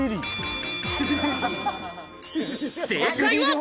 正解は。